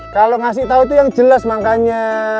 kalo ngasih tau itu yang jelas manganya